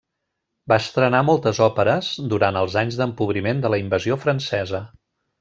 Va estrenar moltes òperes durant els anys d'empobriment de la invasió francesa.